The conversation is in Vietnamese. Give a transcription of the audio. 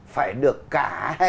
phải được cả hệ